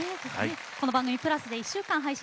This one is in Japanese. この番組「プラス」で１週間配信いたします。